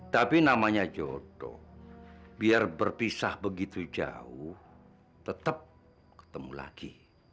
tapi namanya jodoh biar berpisah begitu jauh tetap ketemu lagi